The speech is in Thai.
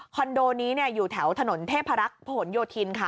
คอนโดนี้เนี่ยอยู่แถวถนนเทพรักโผนโยธิลค่ะ